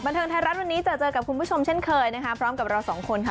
เทิงไทยรัฐวันนี้จะเจอกับคุณผู้ชมเช่นเคยนะคะพร้อมกับเราสองคนค่ะ